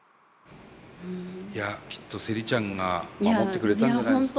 いやきっとセリちゃんが守ってくれたんじゃないですか？